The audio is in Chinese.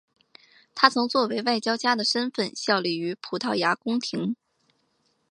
他曾作为外交家的身份效力于葡萄牙宫廷。